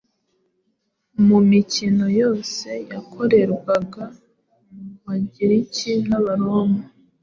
mu mikino yose yakorerwaga mu bagiriki n’abaroma,